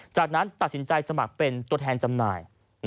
จากนั้นตัดสินใจสมัครเป็นตัวแทนจำหน่าย